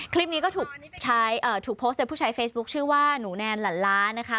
คลิปนี้ก็ถูกใช้เอ่อถูกโพสต์จากผู้ใช้เฟซบุ๊คชื่อว่าหนูแนนหลันล้านะคะ